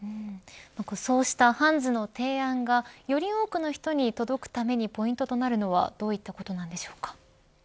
そうしたハンズの提案がより多くの人に届くためにポイントとなるのはどんなことなんでしょうか。